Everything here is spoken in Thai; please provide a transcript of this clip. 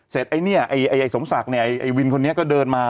เสร็จสมศักดิ์เนี่ยไอ้วินคนนี้ก็เดินมา